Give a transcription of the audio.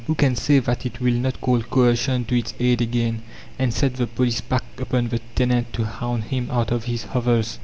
Who can say that it will not call coercion to its aid again, and set the police pack upon the tenant to hound him out of his hovels?